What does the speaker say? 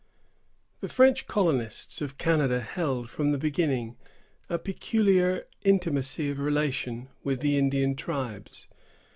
The French colonists of Canada held, from the beginning, a peculiar intimacy of relation with the Indian tribes.